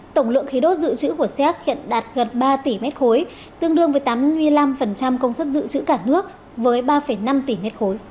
tổng lượng khí đốt dự trữ của xác hiện đạt gần ba tỷ m ba tương đương với tám mươi năm công suất dự trữ cả nước với ba năm tỷ m ba